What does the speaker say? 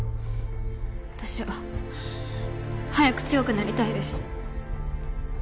私は早く強くなりたいです。